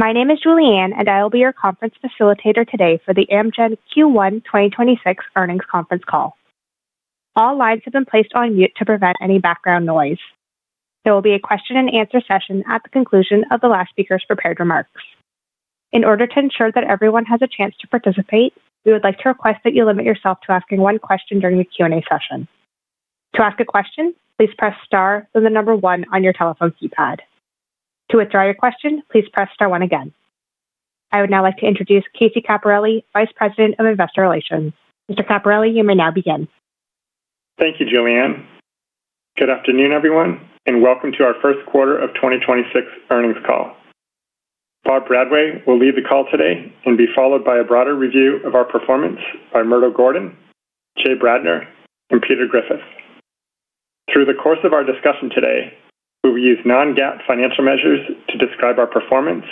My name is Julianne, and I will be your conference facilitator today for the Amgen Q1 2026 earnings conference call. All lines have been placed on mute to prevent any background noise. There will be a question and answer session at the conclusion of the last speaker's prepared remarks. In order to ensure that everyone has a chance to participate, we would like to request that you limit yourself to asking one question during the Q&A session. To ask a question, please press star, then the number one on your telephone keypad. To withdraw your question, please press star one again. I would now like to introduce Casey Caporilli, Vice President of Investor Relations. Mr. Caporilli, you may now begin. Thank you, Julianne. Good afternoon, everyone, and welcome to our first quarter of 2026 earnings call. Bob Bradway will lead the call today and be followed by a broader review of our performance by Murdo Gordon, Jay Bradner, and Peter Griffith. Through the course of our discussion today, we will use non-GAAP financial measures to describe our performance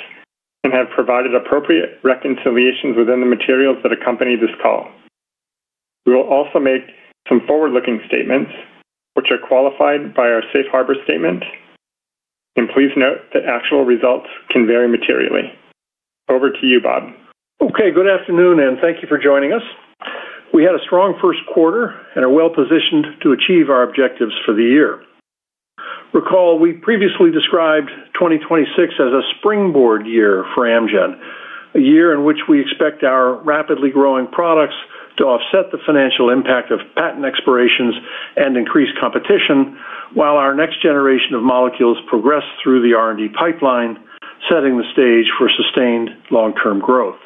and have provided appropriate reconciliations within the materials that accompany this call. We will also make some forward-looking statements which are qualified by our safe harbor statement, and please note that actual results can vary materially. Over to you, Bob. Okay, good afternoon, and thank you for joining us. We had a strong first quarter and are well-positioned to achieve our objectives for the year. Recall, we previously described 2026 as a springboard year for Amgen, a year in which we expect our rapidly growing products to offset the financial impact of patent expirations and increased competition while our next generation of molecules progress through the R&D pipeline, setting the stage for sustained long-term growth.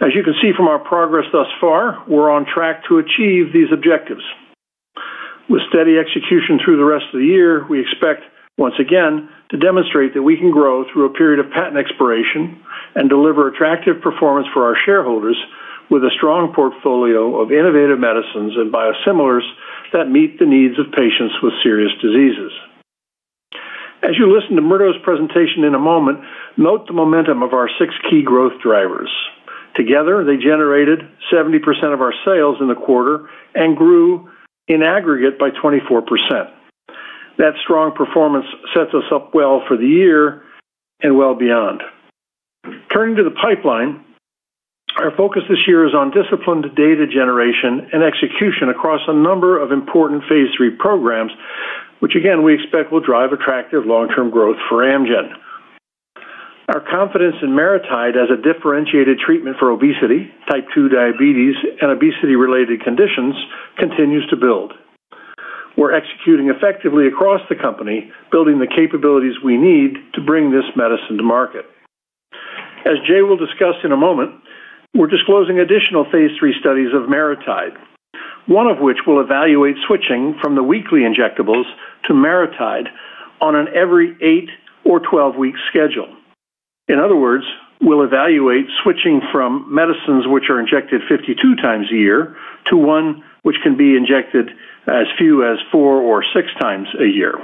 As you can see from our progress thus far, we're on track to achieve these objectives. With steady execution through the rest of the year, we expect, once again, to demonstrate that we can grow through a period of patent expiration and deliver attractive performance for our shareholders with a strong portfolio of innovative medicines and biosimilars that meet the needs of patients with serious diseases. As you listen to Murdo's presentation in a moment, note the momentum of our six key growth drivers. Together, they generated 70% of our sales in the quarter and grew in aggregate by 24%. That strong performance sets us up well for the year and well beyond. Turning to the pipeline, our focus this year is on disciplined data generation and execution across a number of important phase III programs which, again, we expect will drive attractive long-term growth for Amgen. Our confidence in MariTide as a differentiated treatment for obesity, type two diabetes, and obesity-related conditions continues to build. We're executing effectively across the company, building the capabilities we need to bring this medicine to market. As Jay will discuss in a moment, we're disclosing additional phase III studies of MariTide, one of which will evaluate switching from the weekly injectables to MariTide on an every eight or 12 week schedule. In other words, we'll evaluate switching from medicines which are injected 52x a year to one which can be injected as few as four or 6x a year.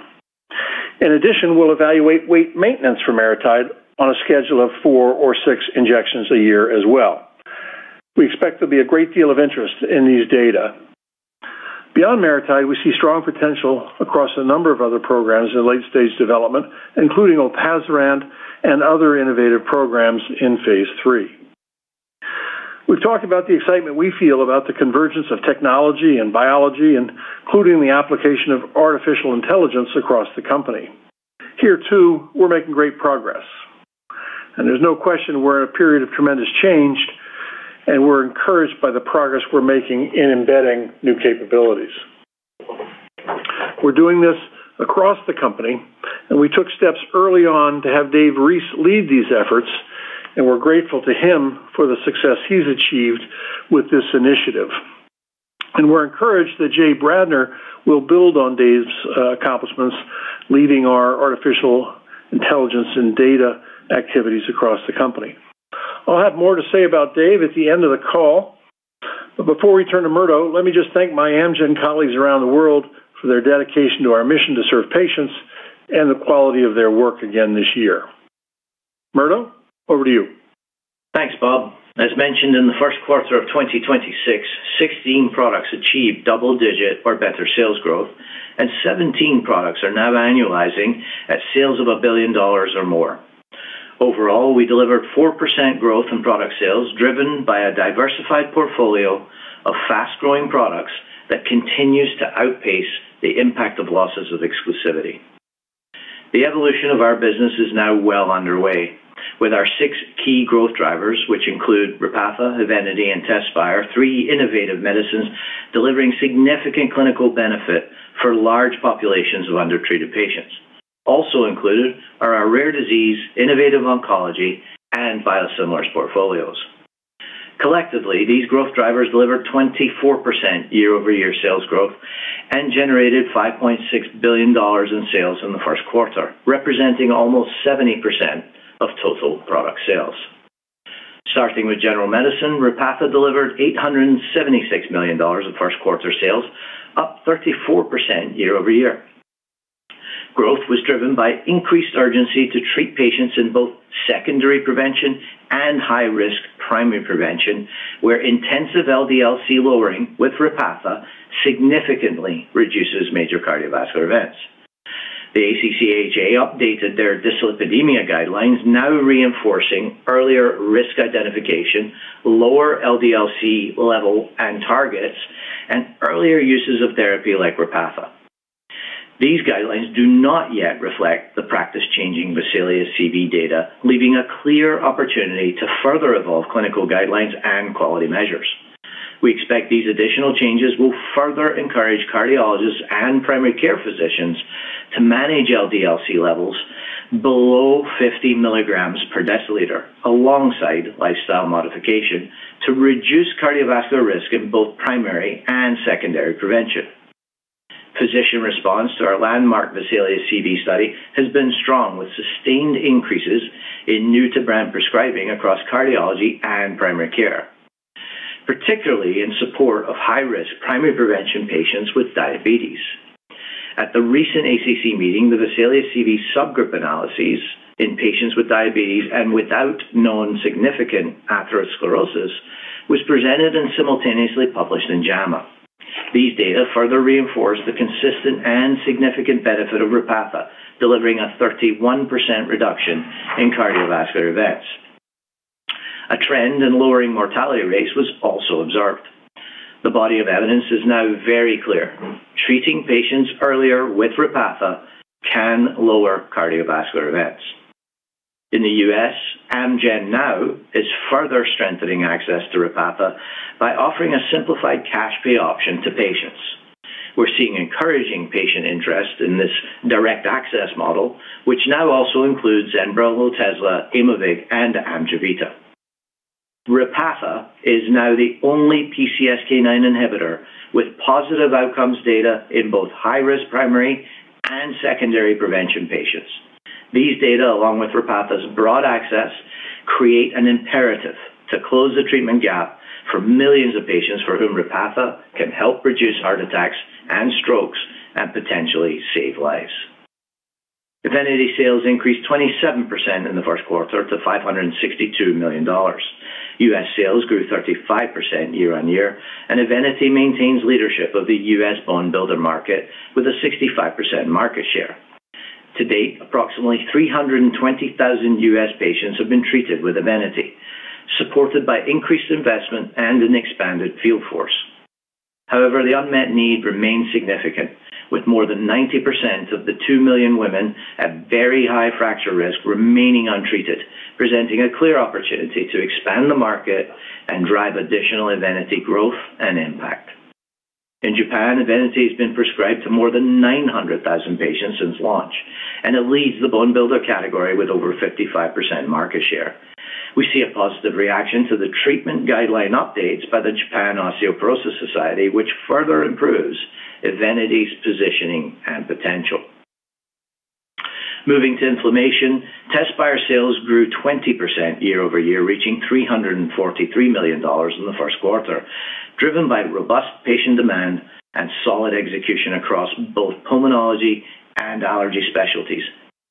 In addition, we'll evaluate weight maintenance for MariTide on a schedule of four or six injections a year as well. We expect there'll be a great deal of interest in these data. Beyond MariTide, we see strong potential across a number of other programs in late-stage development, including Olpasiran and other innovative programs in phase III. We've talked about the excitement we feel about the convergence of technology and biology, including the application of artificial intelligence across the company. Here too, we're making great progress, there's no question we're in a period of tremendous change, we're encouraged by the progress we're making in embedding new capabilities. We're doing this across the company, we took steps early on to have David M. Reese lead these efforts, we're grateful to him for the success he's achieved with this initiative. We're encouraged that James Bradner will build on David's accomplishments, leading our artificial intelligence and data activities across the company. I'll have more to say about David at the end of the call. Before we turn to Murdo Gordon, let me just thank my Amgen colleagues around the world for their dedication to our mission to serve patients and the quality of their work again this year. Murdo Gordon, over to you. Thanks, Bob. As mentioned in the first quarter of 2026, 16 products achieved double-digit or better sales growth, and 17 products are now annualizing at sales of $1 billion or more. Overall, we delivered 4% growth in product sales, driven by a diversified portfolio of fast-growing products that continues to outpace the impact of losses of exclusivity. The evolution of our business is now well underway, with our six key growth drivers, which include Repatha, Evenity, and Tezspire, three innovative medicines delivering significant clinical benefit for large populations of undertreated patients. Also included are our rare disease, innovative oncology, and biosimilars portfolios. Collectively, these growth drivers delivered 24% year-over-year sales growth and generated $5.6 billion in sales in the first quarter, representing almost 70% of total product sales. Starting with general medicine, Repatha delivered $876 million of first quarter sales, up 34% year-over-year. Growth was driven by increased urgency to treat patients in both secondary prevention and high-risk primary prevention, where intensive LDL-C lowering with Repatha significantly reduces major cardiovascular events. The ACC/AHA updated their dyslipidemia guidelines, now reinforcing earlier risk identification, lower LDL-C level and targets, and earlier uses of therapy like Repatha. These guidelines do not yet reflect the practice-changing VESALIUS-CV data, leaving a clear opportunity to further evolve clinical guidelines and quality measures. We expect these additional changes will further encourage cardiologists and primary care physicians to manage LDL-C levels below 50 milligrams per deciliter, alongside lifestyle modification, to reduce cardiovascular risk in both primary and secondary prevention. Physician response to our landmark VESALIUS-CV study has been strong, with sustained increases in new-to-brand prescribing across cardiology and primary care, particularly in support of high-risk primary prevention patients with diabetes. At the recent ACC meeting, the VESALIUS-CV subgroup analyses in patients with diabetes and without non-significant atherosclerosis was presented and simultaneously published in JAMA. These data further reinforce the consistent and significant benefit of Repatha, delivering a 31% reduction in cardiovascular events. A trend in lowering mortality rates was also observed. The body of evidence is now very clear. Treating patients earlier with Repatha can lower cardiovascular events. In the U.S., Amgen now is further strengthening access to Repatha by offering a simplified cash pay option to patients. We're seeing encouraging patient interest in this direct access model, which now also includes Xembify, TEPEZZA, Aimovig, and AMGEVITA. Repatha is now the only PCSK9 inhibitor with positive outcomes data in both high-risk primary and secondary prevention patients. These data, along with Repatha's broad access, create an imperative to close the treatment gap for millions of patients for whom Repatha can help reduce heart attacks and strokes and potentially save lives. Evenity sales increased 27% in the first quarter to $562 million. U.S. sales grew 35% year-on-year, and Evenity maintains leadership of the U.S. bone builder market with a 65% market share. To date, approximately 320,000 U.S. patients have been treated with Evenity, supported by increased investment and an expanded field force. However, the unmet need remains significant, with more than 90% of the 2 million women at very high fracture risk remaining untreated, presenting a clear opportunity to expand the market and drive additional Evenity growth and impact. In Japan, Evenity has been prescribed to more than 900,000 patients since launch, and it leads the bone builder category with over 55% market share. We see a positive reaction to the treatment guideline updates by the Japan Osteoporosis Society, which further improves Evenity's positioning and potential. Moving to inflammation, Tezspire sales grew 20% year-over-year, reaching $343 million in the first quarter, driven by robust patient demand and solid execution across both pulmonology and allergy specialties,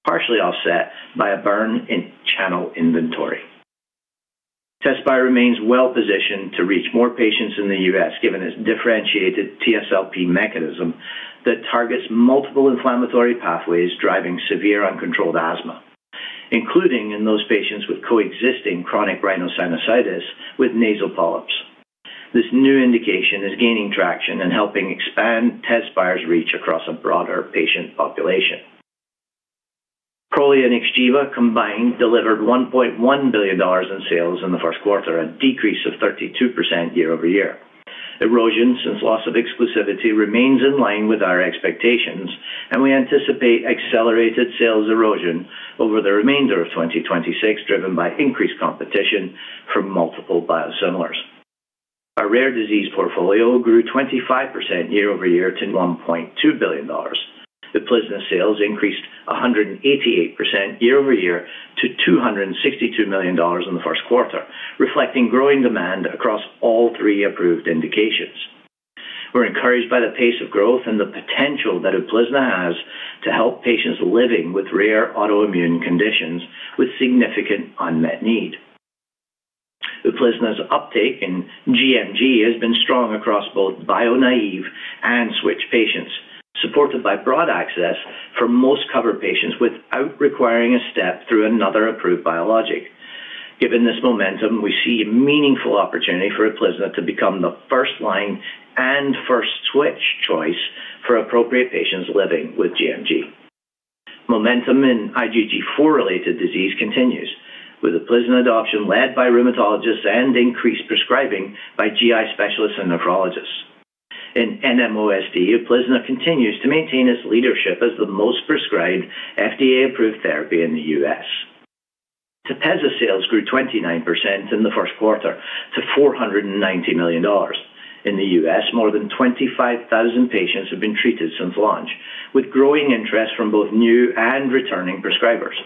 partially offset by a burn in channel inventory. Tezspire remains well-positioned to reach more patients in the U.S., given its differentiated TSLP mechanism that targets multiple inflammatory pathways driving severe uncontrolled asthma, including in those patients with coexisting chronic rhinosinusitis with nasal polyps. This new indication is gaining traction and helping expand Tezspire's reach across a broader patient population. Prolia and Xgeva combined delivered $1.1 billion in sales in the first quarter, a decrease of 32% year-over-year. Erosion since loss of exclusivity remains in line with our expectations. We anticipate accelerated sales erosion over the remainder of 2026, driven by increased competition from multiple biosimilars. Our rare disease portfolio grew 25% year-over-year to $1.2 billion. Uplizna sales increased 188% year-over-year to $262 million in the first quarter, reflecting growing demand across all three approved indications. We're encouraged by the pace of growth and the potential that Uplizna has to help patients living with rare autoimmune conditions with significant unmet need. Uplizna's uptake in GMG has been strong across both bio-naive and switch patients, supported by broad access for most covered patients without requiring a step through another approved biologic. Given this momentum, we see a meaningful opportunity for Uplizna to become the first-line and first-switch choice for appropriate patients living with GMG. Momentum in IgG4-related disease continues, with Uplizna adoption led by rheumatologists and increased prescribing by GI specialists and nephrologists. In NMOSD, Uplizna continues to maintain its leadership as the most prescribed FDA-approved therapy in the U.S. TEPEZZA sales grew 29% in the first quarter to $490 million. In the U.S., more than 25,000 patients have been treated since launch, with growing interest from both new and returning prescribers,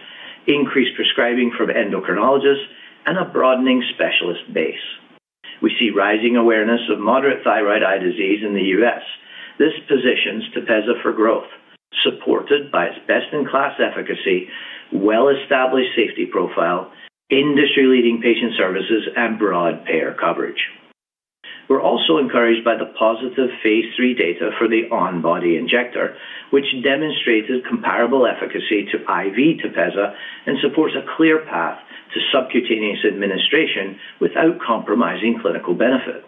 increased prescribing from endocrinologists, and a broadening specialist base. We see rising awareness of moderate thyroid eye disease in the U.S. This positions TEPEZZA for growth, supported by its best-in-class efficacy, well-established safety profile, industry-leading patient services, and broad payer coverage. We are also encouraged by the positive Phase III data for the on-body injector, which demonstrated comparable efficacy to IV TEPEZZA and supports a clear path to subcutaneous administration without compromising clinical benefit.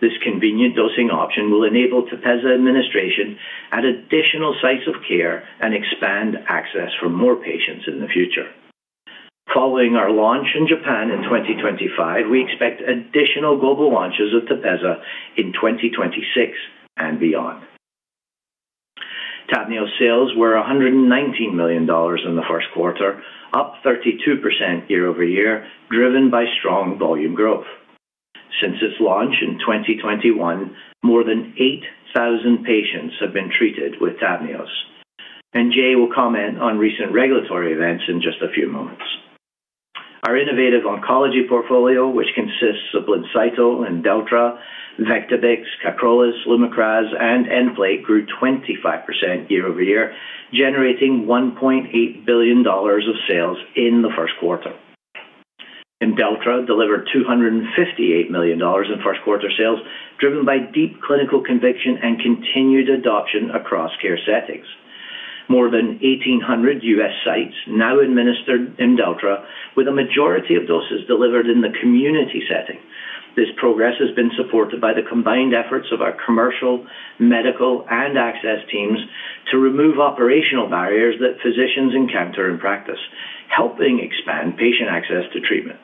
This convenient dosing option will enable TEPEZZA administration at additional sites of care and expand access for more patients in the future. Following our launch in Japan in 2025, we expect additional global launches of TEPEZZA in 2026 and beyond. Tavneos sales were $119 million in the first quarter, up 32% year-over-year, driven by strong volume growth. Since its launch in 2021, more than 8,000 patients have been treated with Tavneos. Jay will comment on recent regulatory events in just a few moments. Our innovative oncology portfolio, which consists of BLINCYTO, IMDELLTRA, Vectibix, KYPROLIS, LUMAKRAS, and Nplate, grew 25% year-over-year, generating $1.8 billion of sales in the first quarter. IMDELLTRA delivered $258 million in first quarter sales, driven by deep clinical conviction and continued adoption across care settings. More than 1,800 U.S. sites now administer IMDELLTRA, with a majority of doses delivered in the community setting. This progress has been supported by the combined efforts of our commercial, medical, and access teams to remove operational barriers that physicians encounter in practice, helping expand patient access to treatment.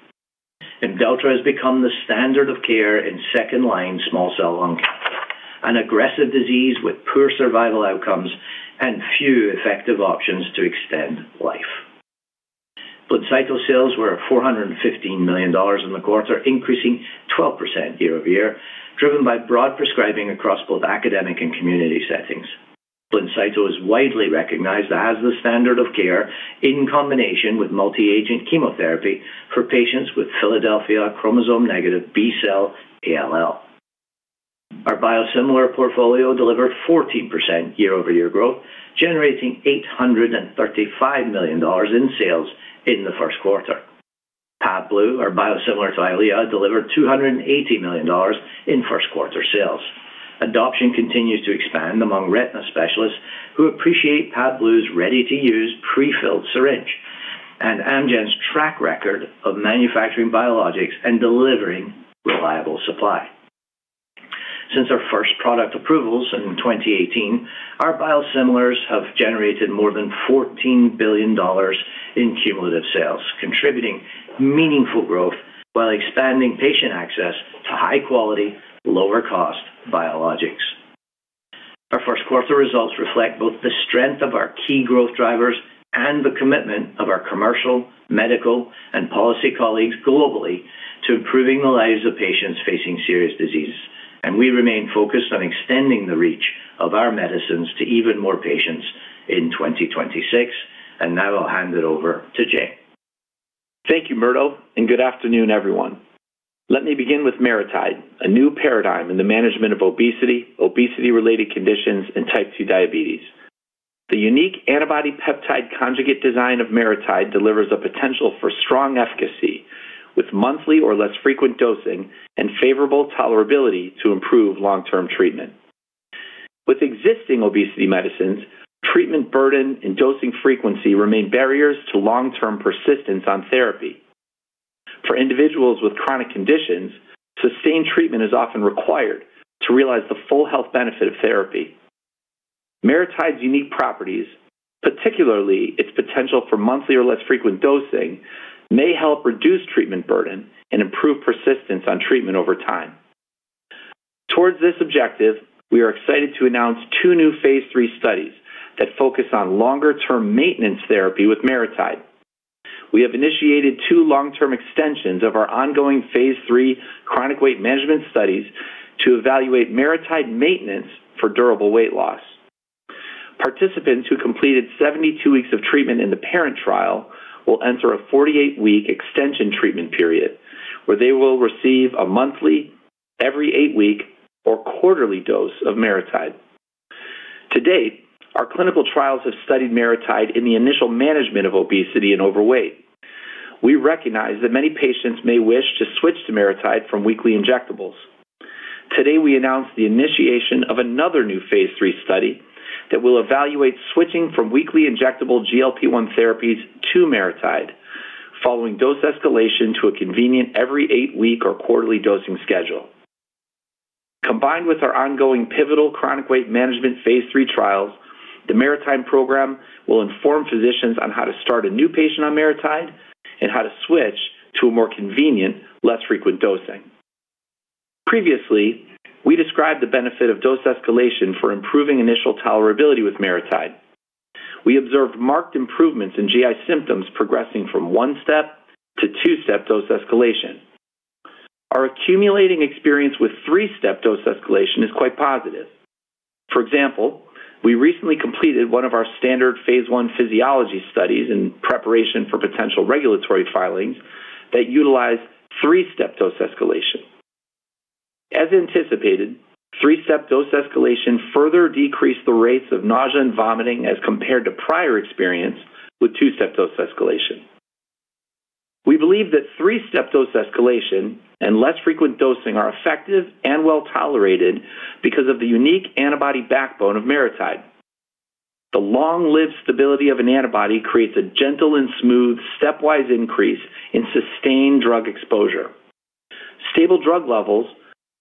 IMDELLTRA has become the standard of care in second line small cell lung cancer, an aggressive disease with poor survival outcomes and few effective options to extend life. BLINCYTO sales were $415 million in the quarter, increasing 12% year-over-year, driven by broad prescribing across both academic and community settings. BLINCYTO is widely recognized as the standard of care in combination with multi-agent chemotherapy for patients with Philadelphia chromosome negative B-cell ALL. Our biosimilar portfolio delivered 14% year-over-year growth, generating $835 million in sales in the first quarter. Pavblu, our biosimilar to EYLEA, delivered $280 million in first quarter sales. Adoption continues to expand among retina specialists who appreciate Pavblu's ready-to-use prefilled syringe and Amgen's track record of manufacturing biologics and delivering reliable supply. Since our first product approvals in 2018, our biosimilars have generated more than $14 billion in cumulative sales, contributing meaningful growth while expanding patient access to high quality, lower cost biologics. Our first quarter results reflect both the strength of our key growth drivers and the commitment of our commercial, medical, and policy colleagues globally to improving the lives of patients facing serious diseases. We remain focused on extending the reach of our medicines to even more patients in 2026. Now I'll hand it over to Jay. Thank you, Murdo, good afternoon, everyone. Let me begin with MariTide, a new paradigm in the management of obesity-related conditions, and type two diabetes. The unique antibody peptide conjugate design of MariTide delivers the potential for strong efficacy with monthly or less frequent dosing and favorable tolerability to improve long-term treatment. With existing obesity medicines, treatment burden and dosing frequency remain barriers to long-term persistence on therapy. For individuals with chronic conditions, sustained treatment is often required to realize the full health benefit of therapy. MariTide's unique properties, particularly its potential for monthly or less frequent dosing, may help reduce treatment burden and improve persistence on treatment over time. Towards this objective, we are excited to announce two new phase III studies that focus on longer-term maintenance therapy with MariTide. We have initiated two long-term extensions of our ongoing Phase III chronic weight management studies to evaluate MariTide maintenance for durable weight loss. Participants who completed 72 weeks of treatment in the parent trial will enter a 48-week extension treatment period where they will receive a monthly, every 8-week, or quarterly dose of MariTide. To date, our clinical trials have studied MariTide in the initial management of obesity and overweight. We recognize that many patients may wish to switch to MariTide from weekly injectables. Today, we announced the initiation of another new Phase III study that will evaluate switching from weekly injectable GLP-1 therapies to MariTide following dose escalation to a convenient every eight week or quarterly dosing schedule. Combined with our ongoing pivotal chronic weight management phase III trials, the MariTide program will inform physicians on how to start a new patient on MariTide and how to switch to a more convenient, less frequent dosing. Previously, we described the benefit of dose escalation for improving initial tolerability with MariTide. We observed marked improvements in GI symptoms progressing from one step to two step dose escalation. Our accumulating experience with three step dose escalation is quite positive. For example, we recently completed one of our standard phase I physiology studies in preparation for potential regulatory filings that utilize three step dose escalation. As anticipated, three step dose escalation further decreased the rates of nausea and vomiting as compared to prior experience with two step dose escalation. We believe that three step dose escalation and less frequent dosing are effective and well-tolerated because of the unique antibody backbone of MariTide. The long-lived stability of an antibody creates a gentle and smooth stepwise increase in sustained drug exposure. Stable drug levels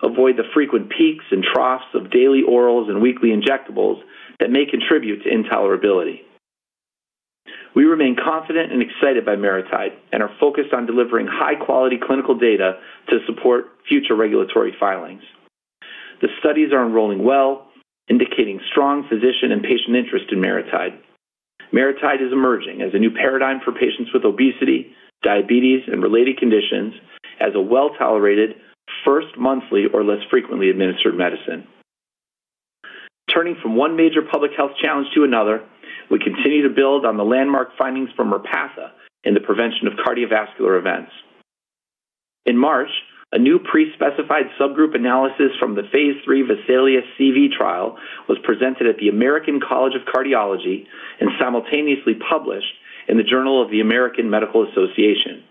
avoid the frequent peaks and troughs of daily orals and weekly injectables that may contribute to intolerability. We remain confident and excited by MariTide and are focused on delivering high-quality clinical data to support future regulatory filings. The studies are enrolling well, indicating strong physician and patient interest in MariTide. MariTide is emerging as a new paradigm for patients with obesity, diabetes, and related conditions as a well-tolerated first monthly or less frequently administered medicine. Turning from one major public health challenge to another, we continue to build on the landmark findings from Repatha in the prevention of cardiovascular events. In March, a new pre-specified subgroup analysis from the phase III VESALIUS-CV trial was presented at the American College of Cardiology and simultaneously published in the Journal of the American Medical Association.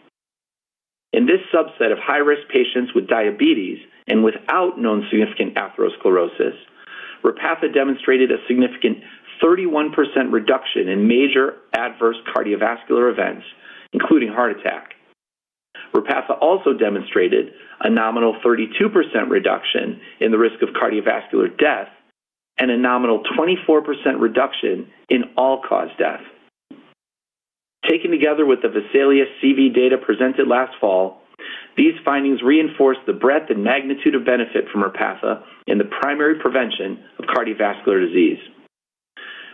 In this subset of high-risk patients with diabetes and without known significant atherosclerosis, Repatha demonstrated a significant 31% reduction in major adverse cardiovascular events, including heart attack. Repatha also demonstrated a nominal 32% reduction in the risk of cardiovascular death and a nominal 24% reduction in all-cause death. Taken together with the VESALIUS-CV data presented last fall, these findings reinforce the breadth and magnitude of benefit from Repatha in the primary prevention of cardiovascular disease.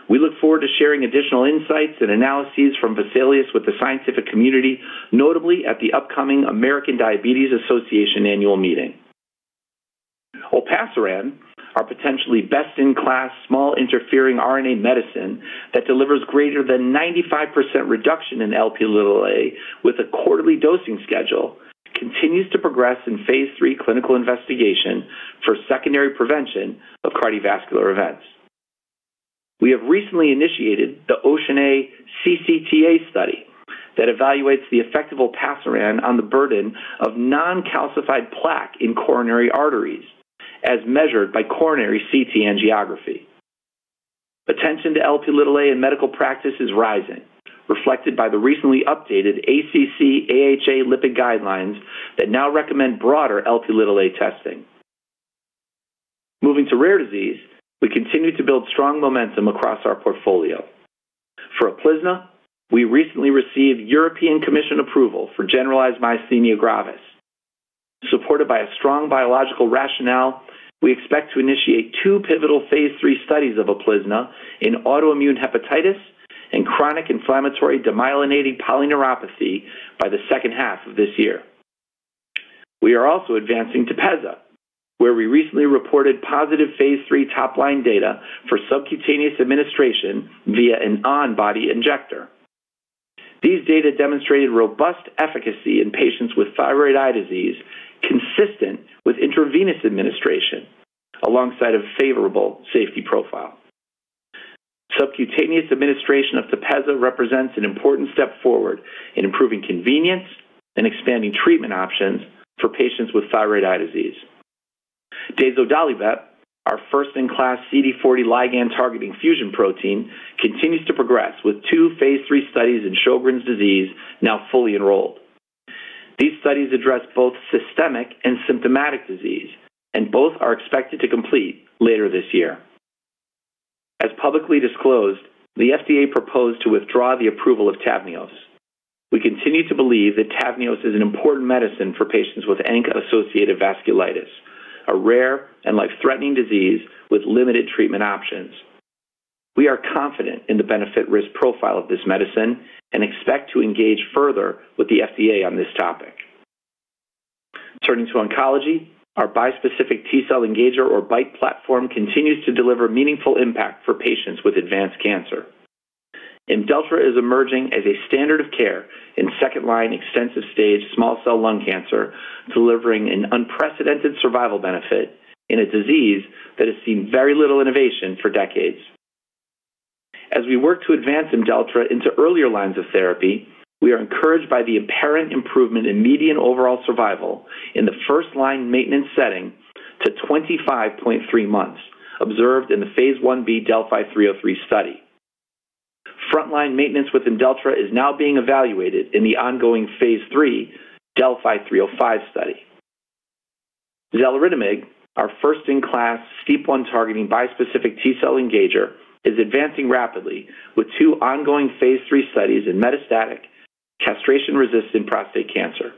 We look forward to sharing additional insights and analyses from VESALIUS-CV with the scientific community, notably at the upcoming American Diabetes Association annual meeting. Olpasiran, our potentially best-in-class small interfering RNA medicine that delivers greater than 95% reduction in Lp with a quarterly dosing schedule, continues to progress in phase III clinical investigation for secondary prevention of cardiovascular events. We have recently initiated the OCEAN(a)-CCTA study that evaluates the effect of Olpasiran on the burden of non-calcified plaque in coronary arteries as measured by coronary CT angiography. Attention to Lp in medical practice is rising, reflected by the recently updated ACC/AHA lipid guidelines that now recommend broader Lp testing. Moving to rare disease, we continue to build strong momentum across our portfolio. For Uplizna, we recently received European Commission approval for generalized myasthenia gravis. Supported by a strong biological rationale, we expect to initiate two pivotal phase III studies of Uplizna in autoimmune hepatitis and chronic inflammatory demyelinating polyneuropathy by the second half of this year. We are also advancing Tepezza, where we recently reported positive phase III top-line data for subcutaneous administration via an on-body injector. These data demonstrated robust efficacy in patients with thyroid eye disease consistent with intravenous administration alongside a favorable safety profile. Subcutaneous administration of Tepezza represents an important step forward in improving convenience and expanding treatment options for patients with thyroid eye disease. Dazodalibep, our first-in-class CD40 ligand-targeting fusion protein, continues to progress with two phase III studies in Sjögren's disease now fully enrolled. These studies address both systemic and symptomatic disease, both are expected to complete later this year. As publicly disclosed, the FDA proposed to withdraw the approval of Tavneos. We continue to believe that Tavneos is an important medicine for patients with ANCA-associated vasculitis, a rare and life-threatening disease with limited treatment options. We are confident in the benefit-risk profile of this medicine and expect to engage further with the FDA on this topic. Turning to oncology, our bispecific T-cell engager or BiTE platform continues to deliver meaningful impact for patients with advanced cancer. IMDELLTRA is emerging as a standard of care in second-line extensive-stage small cell lung cancer, delivering an unprecedented survival benefit in a disease that has seen very little innovation for decades. As we work to advance IMDELLTRA into earlier lines of therapy, we are encouraged by the apparent improvement in median overall survival in the first-line maintenance setting to 25.3 months observed in the phase I-B DeLLphi-303 study. Frontline maintenance with IMDELLTRA is now being evaluated in the ongoing phase III DeLLphi-305 study. xaluritamab, our first-in-class STEAP1-targeting bispecific T-cell engager, is advancing rapidly with two ongoing phase III studies in metastatic castration-resistant prostate cancer.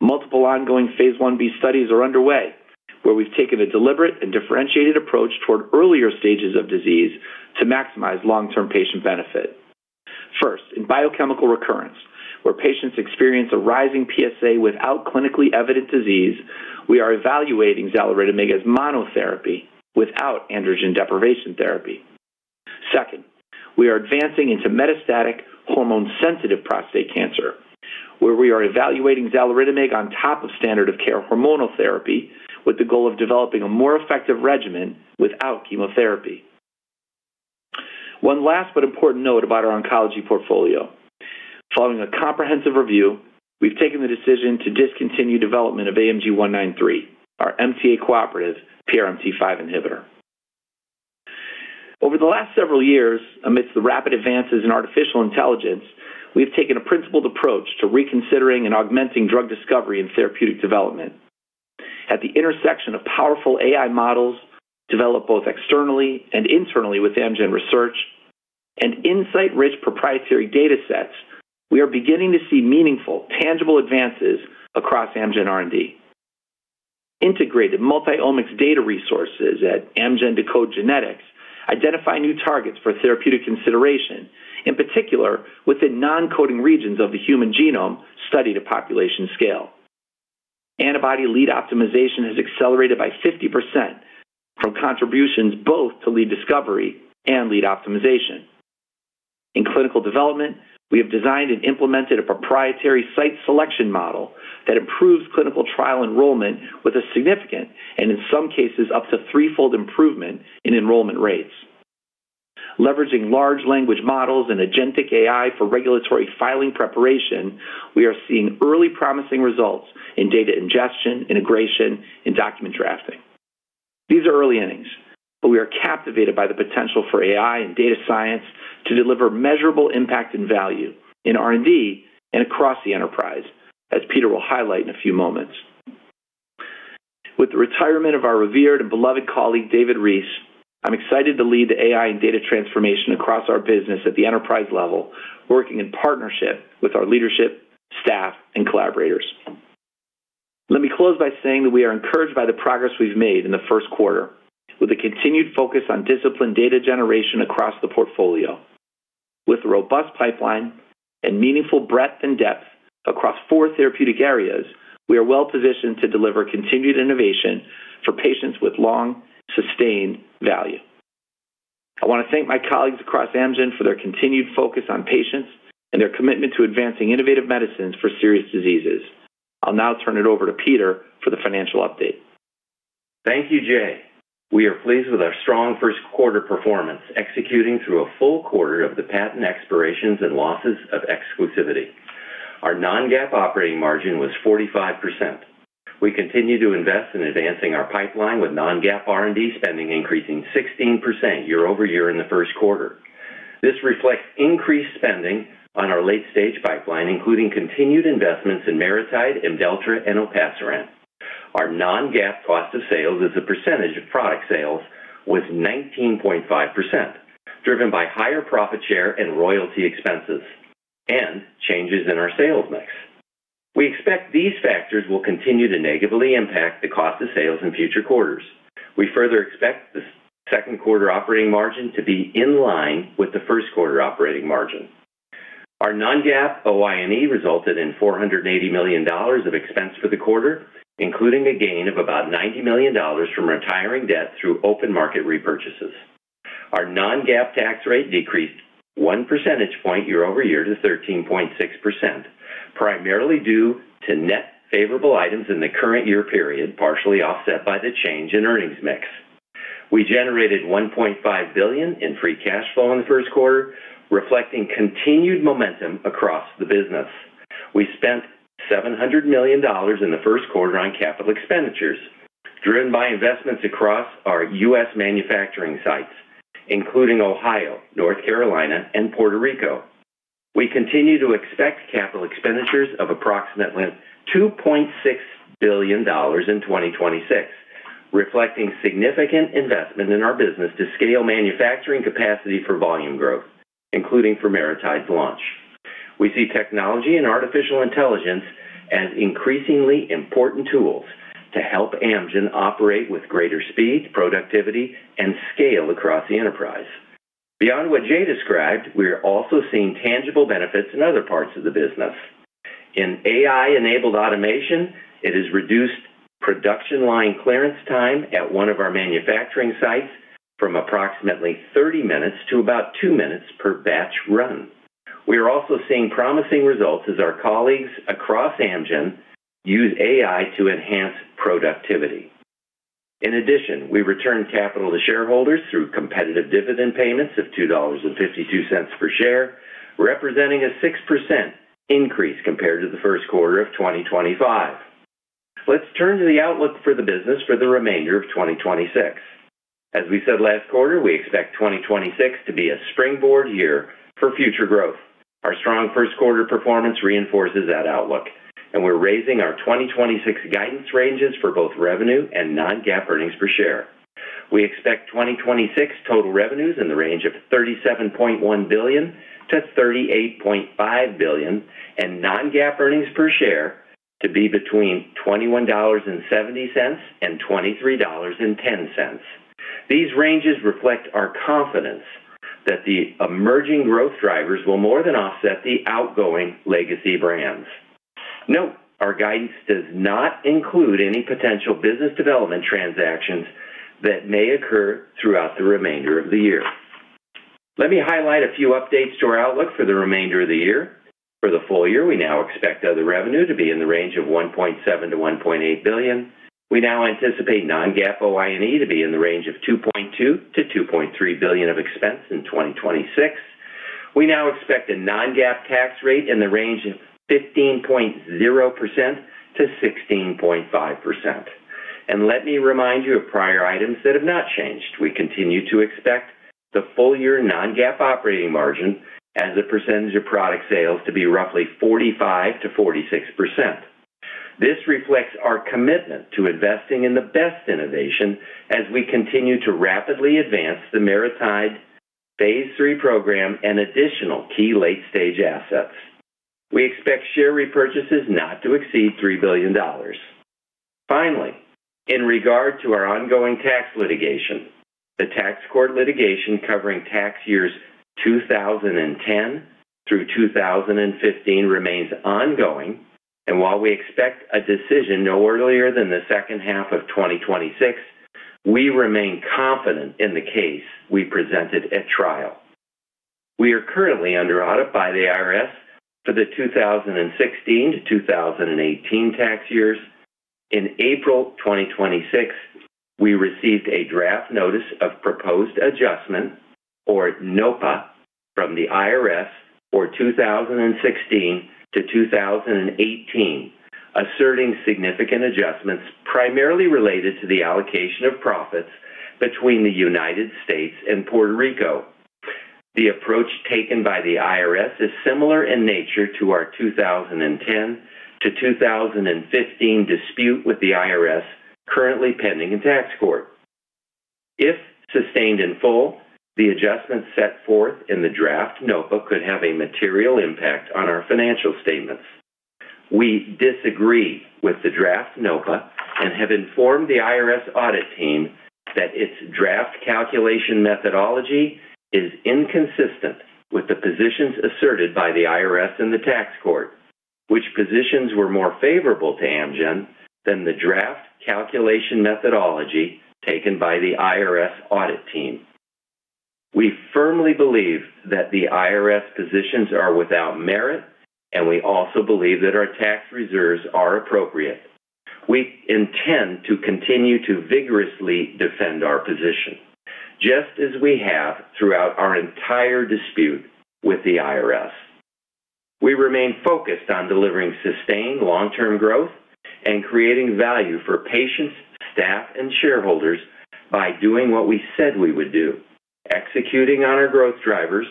Multiple ongoing phase I-B studies are underway, where we've taken a deliberate and differentiated approach toward earlier stages of disease to maximize long-term patient benefit. First, in biochemical recurrence, where patients experience a rising PSA without clinically evident disease, we are evaluating xaluritamab as monotherapy without androgen deprivation therapy. Second, we are advancing into metastatic hormone-sensitive prostate cancer, where we are evaluating xaluritamab on top of standard of care hormonal therapy with the goal of developing a more effective regimen without chemotherapy. One last but important note about our oncology portfolio. Following a comprehensive review, we've taken the decision to discontinue development of AMG-193, our MTA-cooperative PRMT5 inhibitor. Over the last several years, amidst the rapid advances in artificial intelligence, we have taken a principled approach to reconsidering and augmenting drug discovery and therapeutic development. At the intersection of powerful AI models developed both externally and internally with Amgen Research and insight-rich proprietary datasets, we are beginning to see meaningful, tangible advances across Amgen R&D. Integrated multi-omics data resources at Amgen deCODE genetics identify new targets for therapeutic consideration, in particular within non-coding regions of the human genome studied at population scale. Antibody lead optimization has accelerated by 50% from contributions both to lead discovery and lead optimization. In clinical development, we have designed and implemented a proprietary site selection model that improves clinical trial enrollment with a significant, and in some cases, up to three fold improvement in enrollment rates. Leveraging large language models and agentic AI for regulatory filing preparation, we are seeing early promising results in data ingestion, integration, and document drafting. These are early innings, but we are captivated by the potential for AI and data science to deliver measurable impact and value in R&D and across the enterprise, as Peter will highlight in a few moments. With the retirement of our revered and beloved colleague, David Reese, I'm excited to lead the AI and data transformation across our business at the enterprise level, working in partnership with our leadership, staff, and collaborators. Let me close by saying that we are encouraged by the progress we've made in the first quarter with a continued focus on disciplined data generation across the portfolio. With a robust pipeline and meaningful breadth and depth across four therapeutic areas, we are well-positioned to deliver continued innovation for patients with long, sustained value. I want to thank my colleagues across Amgen for their continued focus on patients and their commitment to advancing innovative medicines for serious diseases. I'll now turn it over to Peter for the financial update. Thank you, Jay. We are pleased with our strong first quarter performance, executing through a full quarter of the patent expirations and losses of exclusivity. Our non-GAAP operating margin was 45%. We continue to invest in advancing our pipeline with non-GAAP R&D spending increasing 16% year-over-year in the first quarter. This reflects increased spending on our late-stage pipeline, including continued investments in MariTide, IMDELLTRA, and Olpasiran. Our non-GAAP cost of sales as a percentage of product sales was 19.5%, driven by higher profit share and royalty expenses and changes in our sales mix. We expect these factors will continue to negatively impact the cost of sales in future quarters. We further expect the second quarter operating margin to be in line with the first quarter operating margin. Our non-GAAP OI&E resulted in $480 million of expense for the quarter, including a gain of about $90 million from retiring debt through open market repurchases. Our non-GAAP tax rate decreased 1 percentage point year-over-year to 13.6%, primarily due to net favorable items in the current year period, partially offset by the change in earnings mix. We generated $1.5 billion in free cash flow in the first quarter, reflecting continued momentum across the business. We spent $700 million in the first quarter on capital expenditures, driven by investments across our U.S. manufacturing sites, including Ohio, North Carolina, and Puerto Rico. We continue to expect capital expenditures of approximately $2.6 billion in 2026, reflecting significant investment in our business to scale manufacturing capacity for volume growth, including for MariTide launch. We see technology and artificial intelligence as increasingly important tools to help Amgen operate with greater speed, productivity, and scale across the enterprise. Beyond what Jay described, we are also seeing tangible benefits in other parts of the business. In AI-enabled automation, it has reduced production line clearance time at one of our manufacturing sites from approximately 30 minutes to about two minutes per batch run. We are also seeing promising results as our colleagues across Amgen use AI to enhance productivity. In addition, we return capital to shareholders through competitive dividend payments of $2.52 per share, representing a 6% increase compared to the first quarter of 2025. Let's turn to the outlook for the business for the remainder of 2026. As we said last quarter, we expect 2026 to be a springboard year for future growth. Our strong first quarter performance reinforces that outlook, and we're raising our 2026 guidance ranges for both revenue and non-GAAP earnings per share. We expect 2026 total revenues in the range of $37.1 billion-$38.5 billion and non-GAAP earnings per share to be between $21.70 and $23.10. These ranges reflect our confidence that the emerging growth drivers will more than offset the outgoing legacy brands. Note, our guidance does not include any potential business development transactions that may occur throughout the remainder of the year. Let me highlight a few updates to our outlook for the remainder of the year. For the full year, we now expect other revenue to be in the range of $1.7 billion-$1.8 billion. We now anticipate non-GAAP OI&E to be in the range of $2.2 billion-$2.3 billion of expense in 2026. We now expect a non-GAAP tax rate in the range of 15.0%-16.5%. Let me remind you of prior items that have not changed. We continue to expect the full-year non-GAAP operating margin as a percentage of product sales to be roughly 45%-46%. This reflects our commitment to investing in the best innovation as we continue to rapidly advance the MariTide phase III program and additional key late-stage assets. We expect share repurchases not to exceed $3 billion. Finally, in regard to our ongoing tax litigation, the Tax Court litigation covering tax years 2010 through 2015 remains ongoing, and while we expect a decision no earlier than the second half of 2026, we remain confident in the case we presented at trial. We are currently under audit by the IRS for the 2016-2018 tax years. In April 2026, we received a draft notice of proposed adjustment, or NOPA, from the IRS for 2016-2018, asserting significant adjustments primarily related to the allocation of profits between the United States and Puerto Rico. The approach taken by the IRS is similar in nature to our 2010-2015 dispute with the IRS currently pending in Tax Court. If sustained in full, the adjustments set forth in the draft NOPA could have a material impact on our financial statements. We disagree with the draft NOPA and have informed the IRS audit team that its draft calculation methodology is inconsistent with the positions asserted by the IRS and the tax court, which positions were more favorable to Amgen than the draft calculation methodology taken by the IRS audit team. We firmly believe that the IRS positions are without merit, and we also believe that our tax reserves are appropriate. We intend to continue to vigorously defend our position, just as we have throughout our entire dispute with the IRS. We remain focused on delivering sustained long-term growth and creating value for patients, staff, and shareholders by doing what we said we would do, executing on our growth drivers,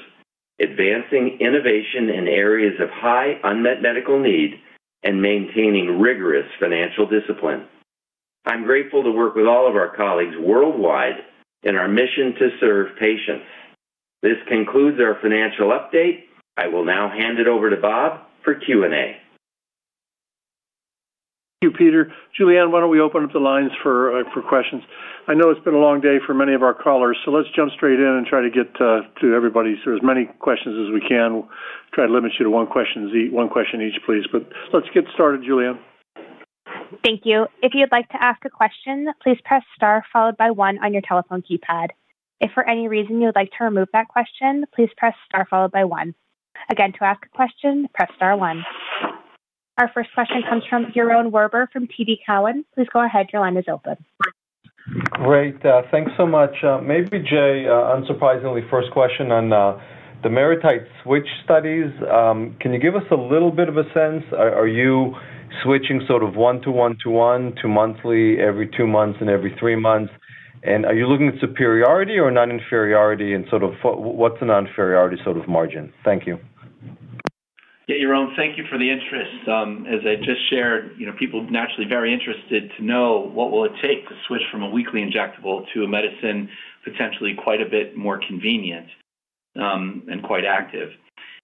advancing innovation in areas of high unmet medical need, and maintaining rigorous financial discipline. I'm grateful to work with all of our colleagues worldwide in our mission to serve patients. This concludes our financial update. I will now hand it over to Bob for Q&A. Thank you, Peter. Julianne, why don't we open up the lines for questions? I know it's been a long day for many of our callers, let's jump straight in and try to get to everybody's or as many questions as we can. We'll try to limit you to one question each, please. Let's get started, Julianne. Thank you. If you'd like to ask a question, please press star followed by one on your telephone keypad. If for any reason you would like to remove that question, please press star followed by one. Again, to ask a question, press star one. Our first question comes from Yaron Werber from TD Cowen. Please go ahead. Your line is open. Great. Thanks so much. Maybe, Jay, unsurprisingly, first question on the MariTide switch studies. Can you give us a little bit of a sense? Are you switching sort of 1-1-1 to monthly every two months and every three months? Are you looking at superiority or non-inferiority? What's the non-inferiority sort of margin? Thank you. Yeah, Yaron, thank you for the interest. As I just shared, you know, people naturally very interested to know what will it take to switch from a weekly injectable to a medicine potentially quite a bit more convenient and quite active.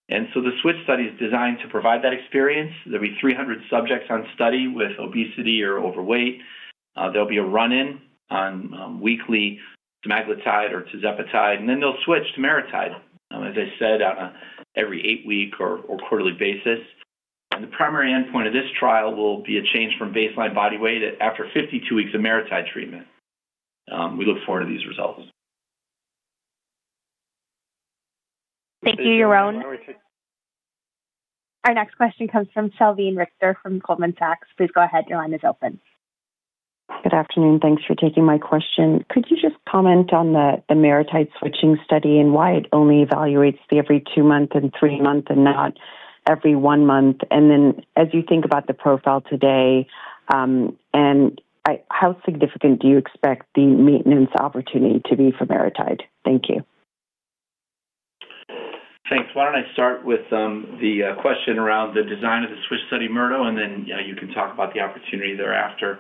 The switch study is designed to provide that experience. There'll be 300 subjects on study with obesity or overweight. There'll be a run-in on weekly semaglutide or tirzepatide, then they'll switch to MariTide, as I said, on a every eight week or quarterly basis. The primary endpoint of this trial will be a change from baseline body weight after 52 weeks of MariTide treatment. We look forward to these results. Thank you, Yaron. Our next question comes from Salveen Richter from Goldman Sachs. Please go ahead. Your line is open. Good afternoon. Thanks for taking my question. Could you just comment on the MariTide switching study and why it only evaluates the every two month and three month and not every one month? As you think about the profile today, how significant do you expect the maintenance opportunity to be for MariTide? Thank you. Thanks. Why don't I start with the question around the design of the switch study, Murdo, and then you can talk about the opportunity thereafter.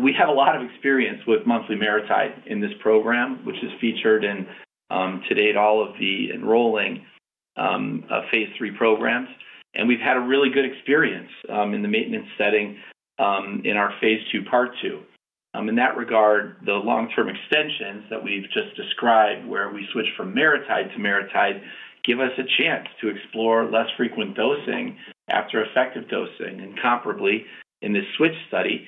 We have a lot of experience with monthly MariTide in this program, which is featured in to date, all of the enrolling Phase III programs. We've had a really good experience in the maintenance setting in our phase II/Part II. In that regard, the long-term extensions that we've just described, where we switch from MariTide to MariTide, give us a chance to explore less frequent dosing after effective dosing. Comparably, in the switch study,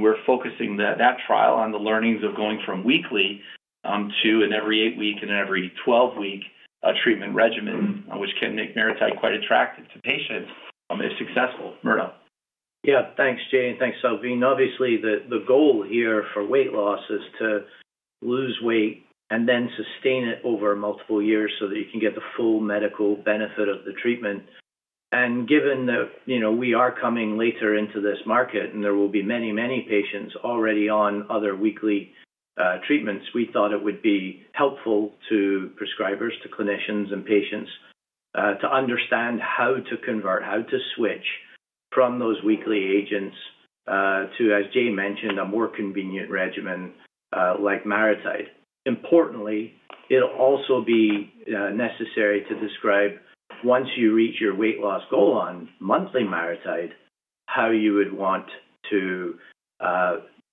we're focusing that trial on the learnings of going from weekly, to an every eight week and an every 12 week treatment regimen, which can make MariTide quite attractive to patients, if successful. Murdo? Yeah. Thanks, Jay, and thanks, Salveen. Obviously, the goal here for weight loss is to lose weight and then sustain it over multiple years so that you can get the full medical benefit of the treatment. Given that, you know, we are coming later into this market, and there will be many patients already on other weekly treatments, we thought it would be helpful to prescribers, to clinicians and patients to understand how to convert, how to switch from those weekly agents to, as Jay mentioned, a more convenient regimen, like MariTide. Importantly, it'll also be necessary to describe once you reach your weight loss goal on monthly MariTide, how you would want to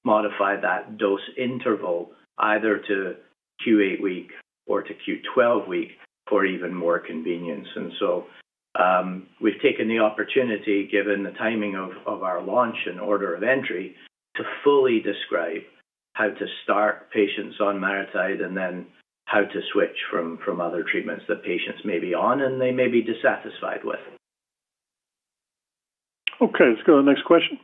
modify that dose interval either to q 8 week or to q 12 week for even more convenience. We've taken the opportunity, given the timing of our launch and order of entry, to fully describe how to start patients on MariTide and then how to switch from other treatments that patients may be on and they may be dissatisfied with. Okay, let's go to the next question.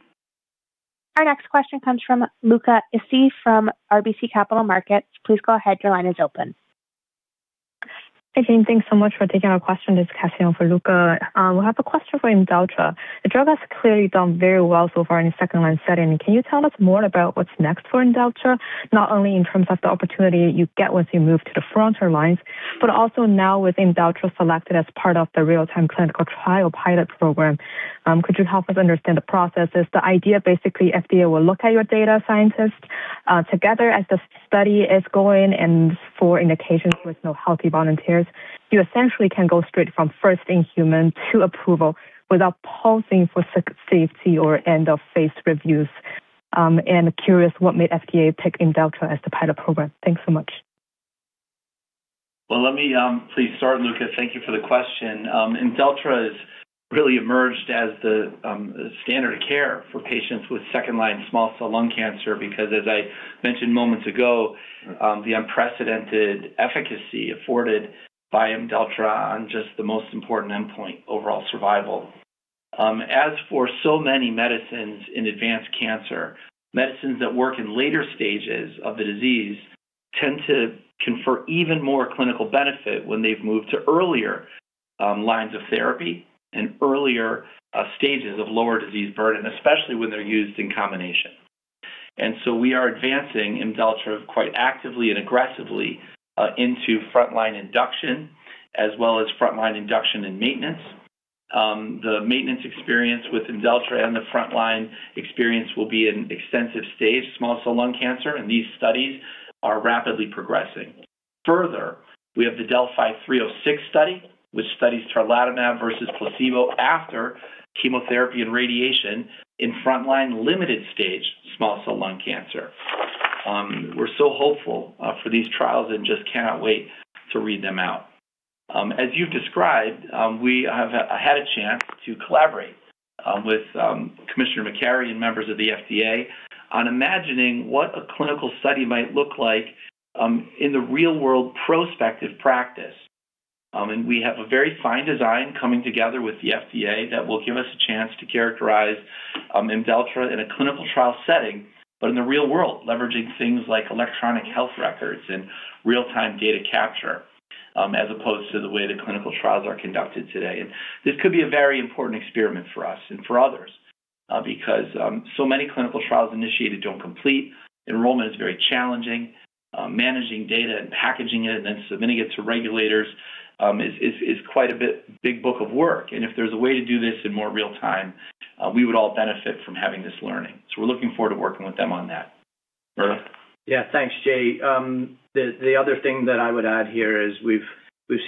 Our next question comes from Luca Issi from RBC Capital Markets. Please go ahead. Your line is open. Hey, team. Thanks so much for taking our question. This is Cassie on for Luca. We have a question for IMDELLTRA. The drug has clearly done very well so far in the second-line setting. Can you tell us more about what's next for IMDELLTRA, not only in terms of the opportunity you get once you move to the frontal lines, but also now with IMDELLTRA selected as part of the Real-Time Clinical Trial Pilot Program? Could you help us understand the processes? The idea, basically, FDA will look at your data, scientists, together as the study is going and for indications with no healthy volunteers. You essentially can go straight from first in human to approval without pausing for safety or end-of-phase reviews. Curious what made FDA pick IMDELLTRA as the pilot program. Thanks so much. Let me please start, Luca. Thank you for the question. IMDELLTRA has really emerged as the standard of care for patients with second-line small cell lung cancer because, as I mentioned moments ago, the unprecedented efficacy afforded by IMDELLTRA on just the most important endpoint, overall survival. As for so many medicines in advanced cancer, medicines that work in later stages of the disease tend to confer even more clinical benefit when they've moved to earlier lines of therapy and earlier stages of lower disease burden, especially when they're used in combination. So we are advancing IMDELLTRA quite actively and aggressively into frontline induction as well as frontline induction and maintenance. The maintenance experience with IMDELLTRA and the frontline experience will be in extensive stage small cell lung cancer, and these studies are rapidly progressing. Further, we have the DeLLphi-306 study, which studies tarlatamab versus placebo after chemotherapy and radiation in frontline limited-stage small cell lung cancer. We're so hopeful for these trials and just cannot wait to read them out. As you've described, we have had a chance to collaborate with Commissioner McCary and members of the FDA on imagining what a clinical study might look like in the real-world prospective practice. We have a very fine design coming together with the FDA that will give us a chance to characterize IMDELLTRA in a clinical trial setting, but in the real world, leveraging things like electronic health records and real-time data capture as opposed to the way the clinical trials are conducted today. This could be a very important experiment for us and for others, because so many clinical trials initiated don't complete. Enrollment is very challenging. Managing data and packaging it and then submitting it to regulators is quite a big book of work. If there's a way to do this in more real time, we would all benefit from having this learning. We're looking forward to working with them on that. Murdo? Yeah. Thanks, Jay. The other thing that I would add here is we've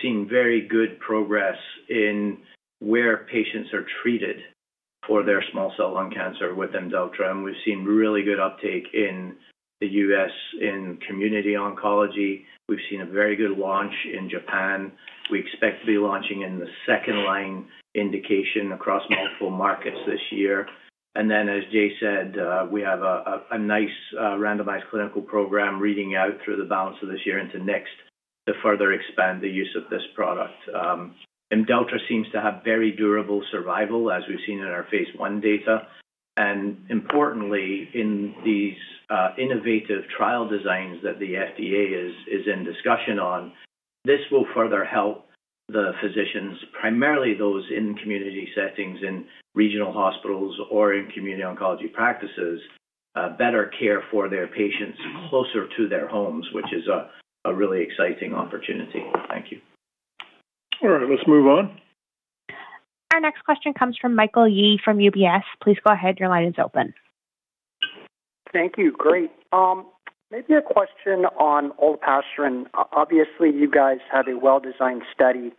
seen very good progress in where patients are treated for their small cell lung cancer with IMDELLTRA, and we've seen really good uptake in the U.S. in community oncology. We've seen a very good launch in Japan. We expect to be launching in the second-line indication across multiple markets this year. Then, as Jay said, we have a nice randomized clinical program reading out through the balance of this year into next to further expand the use of this product. IMDELLTRA seems to have very durable survival, as we've seen in our Phase I data. Importantly, in these innovative trial designs that the FDA is in discussion on, this will further help the physicians, primarily those in community settings, in regional hospitals or in community oncology practices, better care for their patients closer to their homes, which is a really exciting opportunity. Thank you. All right. Let's move on. Our next question comes from Michael Yee from UBS. Please go ahead. Your line is open. Thank you. Great. Maybe a question on Olpasiran. You guys have a well-designed study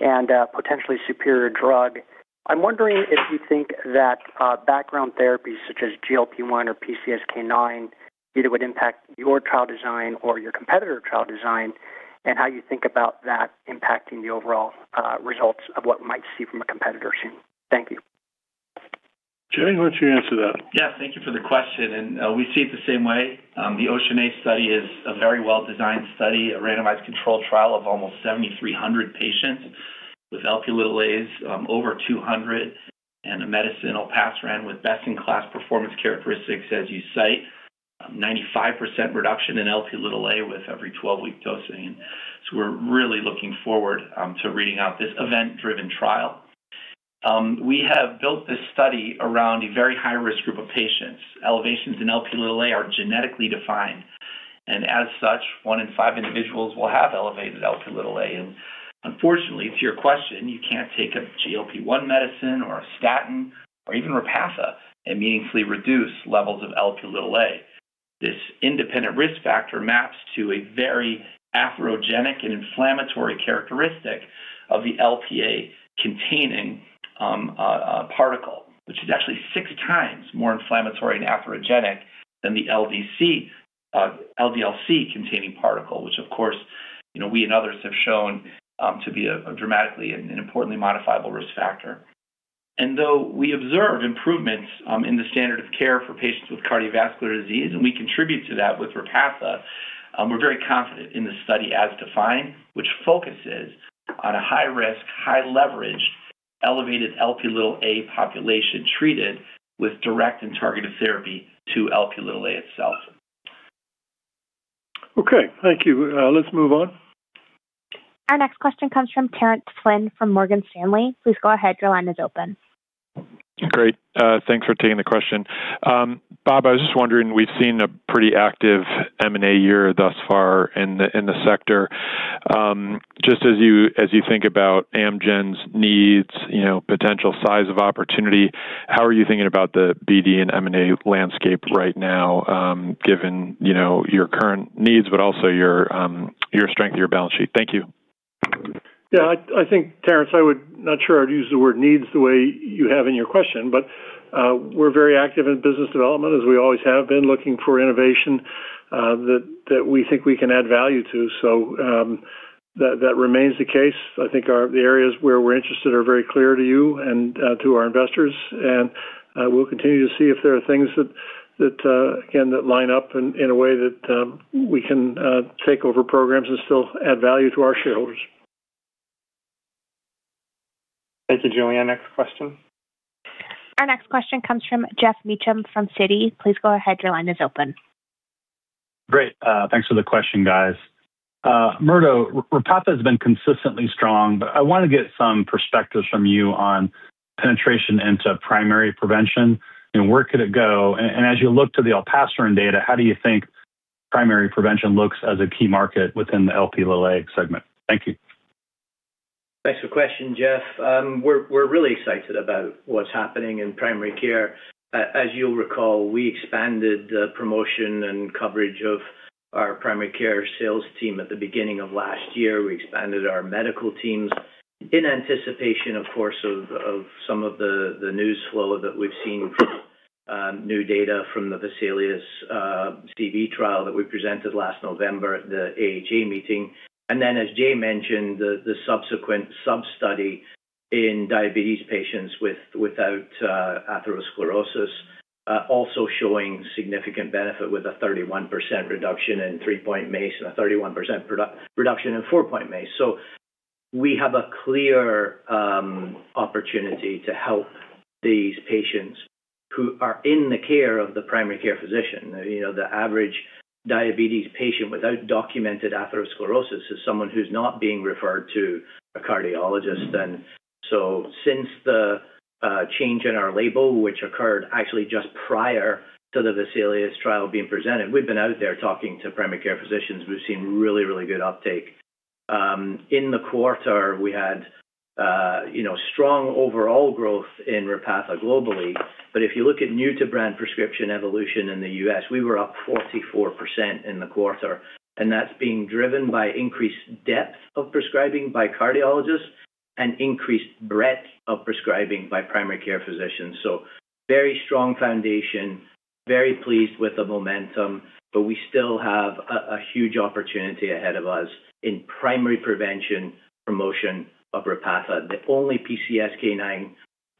and a potentially superior drug. I'm wondering if you think that, background therapies such as GLP-1 or PCSK9 either would impact your trial design or your competitor trial design, and how you think about that impacting the overall, results of what we might see from a competitor soon? Thank you. Jay, why don't you answer that? Yeah. Thank you for the question. We see it the same way. The OCEAN(a) study is a very well-designed study, a randomized control trial of almost 7,300 patients with Lp(a), over 200 and a medicine, Olpasiran, with best-in-class performance characteristics as you cite, 95% reduction in Lp(a) with every 12-week dosing. We're really looking forward to reading out this event-driven trial. We have built this study around a very high-risk group of patients. Elevations in Lp(a) are genetically defined, as such, one in five individuals will have elevated Lp(a). Unfortunately, to your question, you can't take a GLP-1 medicine or a statin or even Repatha and meaningfully reduce levels of Lp(a). This independent risk factor maps to a very atherogenic and inflammatory characteristic of the Lp containing particle, which is actually six times more inflammatory and atherogenic than the LDL-C containing particle which of course, you know, we and others have shown to be a dramatically and an importantly modifiable risk factor. Though we observe improvements in the standard of care for patients with cardiovascular disease, and we contribute to that with Repatha, we're very confident in the study as defined, which focuses on a high-risk, high-leverage elevated Lp population treated with direct and targeted therapy to Lp itself. Okay. Thank you. Let's move on. Our next question comes from Terence Flynn from Morgan Stanley. Please go ahead. Your line is open. Great. Thanks for taking the question. Bob, I was just wondering, we've seen a pretty active M&A year thus far in the sector. Just as you think about Amgen's needs, you know, potential size of opportunity, how are you thinking about the BD and M&A landscape right now, given, you know, your current needs, but also your strength of your balance sheet? Thank you. Yeah. I think, Terence, not sure I'd use the word needs the way you have in your question, but we're very active in business development, as we always have been, looking for innovation that we think we can add value to. That remains the case. I think the areas where we're interested are very clear to you and to our investors. We'll continue to see if there are things that again, that line up in a way that we can take over programs and still add value to our shareholders. Thank you. Julie, our next question. Our next question comes from Jeffrey Meacham from Citi. Please go ahead. Your line is open. Great. Thanks for the question, guys. Murdo, Repatha has been consistently strong, but I wanna get some perspectives from you on penetration into primary prevention and where could it go. As you look to the olpasiran data, how do you think primary prevention looks as a key market within the Lp(a) segment? Thank you. Thanks for question, Jeff. We're really excited about what's happening in primary care. As you'll recall, we expanded the promotion and coverage of our primary care sales team at the beginning of last year. We expanded our medical teams in anticipation, of course, of some of the news flow that we've seen from new data from the VESALIUS-CV trial that we presented last November at the AHA meeting. As Jay mentioned, the subsequent sub-study in diabetes patients without atherosclerosis also showing significant benefit with a 31% reduction in three point MACE and a 31% reduction in four point MACE. We have a clear opportunity to help these patients who are in the care of the primary care physician. You know, the average diabetes patient without documented atherosclerosis is someone who's not being referred to a cardiologist. Since the change in our label, which occurred actually just prior to the VESALIUS-CV trial being presented, we've been out there talking to primary care physicians. We've seen really, really good uptake. In the quarter, we had, you know, strong overall growth in Repatha globally. If you look at new-to-brand prescription evolution in the U.S., we were up 44% in the quarter, and that's being driven by increased depth of prescribing by cardiologists and increased breadth of prescribing by primary care physicians. Very strong foundation, very pleased with the momentum, but we still have a huge opportunity ahead of us in primary prevention promotion of Repatha, the only PCSK9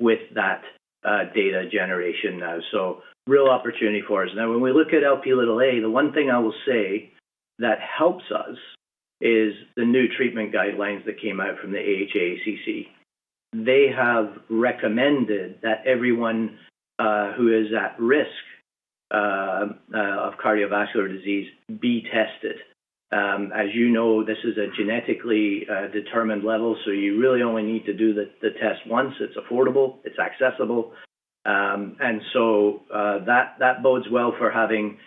with that data generation now. Real opportunity for us. When we look at Lp(a), the one thing I will say that helps us is the new treatment guidelines that came out from the AHA/ACC. They have recommended that everyone who is at risk of cardiovascular disease be tested. As you know, this is a genetically determined level, so you really only need to do the test once. It's affordable, it's accessible. That bodes well for having